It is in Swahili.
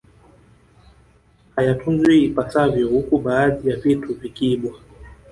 Hayatunzwi ipasavyo huku baadhi ya vitu vikiibwa